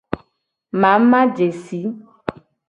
Mamajesi.